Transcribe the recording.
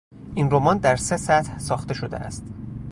این رمان در سه سطح ساخته شده است.